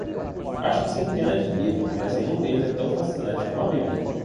Acho que centenas de livro, mas nenhum deles é tão fascinante como a bíblia.